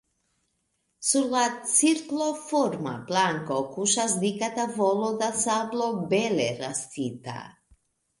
Sur la cirkloforma planko kuŝas dika tavolo da sablo bele rastita.